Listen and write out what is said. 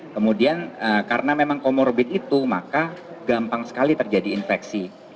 kemudian karena memang comorbid itu maka gampang sekali terjadi infeksi